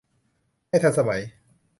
ให้ทันสมัย